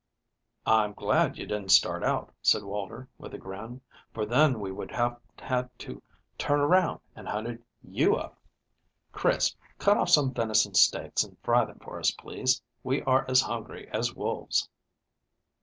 "I'm glad you didn't start out," said Walter, with a grin, "for then we would have had to turn around and hunted you up. Chris, cut off some venison steaks and fry them for us, please. We are as hungry as wolves."